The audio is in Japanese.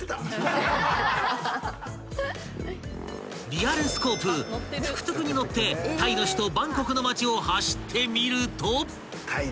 ［リアルスコープトゥクトゥクに乗ってタイの首都バンコクの街を走ってみると］